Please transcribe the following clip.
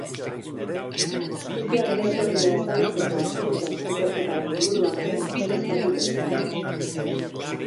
Sutearen jatorria ezagutzeko hasi duten ikerketaren inguruan ere ez dakite ezer ez.